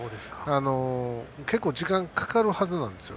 結構、時間かかるはずなんですよ。